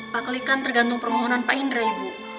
pak klik kan tergantung permohonan pak indra ibu